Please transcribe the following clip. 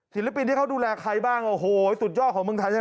ศิลปินที่เขาดูแลใครบ้างโอ้โหสุดยอดของเมืองไทยใช่ไหม